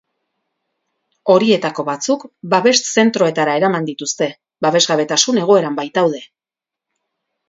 Horietako batzuk babes-zentroetara eraman dituzte, babesgabetasun egoeran baitaude.